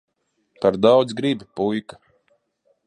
Par daudz gribi, puika.